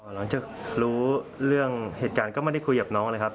หลังจากรู้เรื่องเหตุการณ์ก็ไม่ได้คุยกับน้องเลยครับ